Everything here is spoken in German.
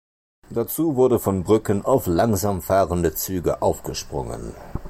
Dazu wurde von Brücken auf langsam fahrende Züge aufgesprungen.